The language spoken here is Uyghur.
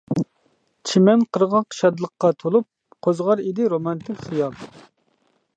چىمەن قىرغاق شادلىققا تولۇپ، قوزغار ئىدى رومانتىك خىيال.